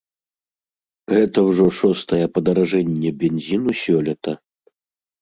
Гэта ўжо шостае падаражэнне бензіну сёлета.